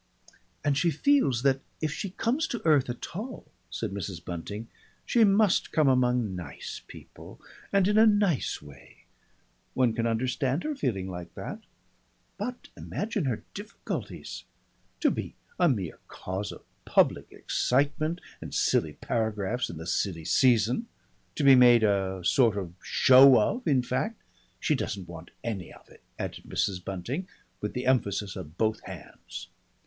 "And she feels that if she comes to earth at all," said Mrs. Bunting, "she must come among nice people and in a nice way. One can understand her feeling like that. But imagine her difficulties! To be a mere cause of public excitement, and silly paragraphs in the silly season, to be made a sort of show of, in fact she doesn't want any of it," added Mrs. Bunting, with the emphasis of both hands.